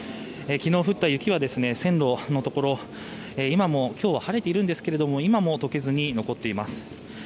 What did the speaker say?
昨日、降った雪は線路のところ今日は晴れているんですけれども今も解けずに残っています。